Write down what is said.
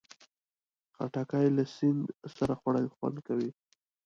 خټکی له سیند سره خوړل خوند کوي.